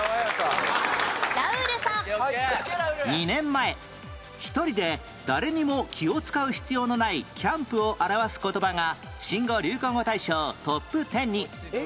２年前１人で誰にも気を使う必要のないキャンプを表す言葉が新語・流行語大賞トップ１０に